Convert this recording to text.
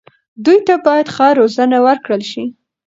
دوی ته باید ښه روزنه ورکړل شي.